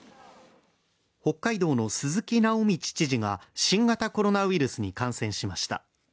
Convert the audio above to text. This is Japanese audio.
北海道の鈴木直道知事が新型コロナウイルスに感染しました。